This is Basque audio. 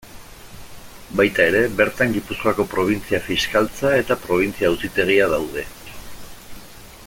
Baita ere, bertan Gipuzkoako Probintzia-Fiskaltza eta Probintzia-Auzitegia daude.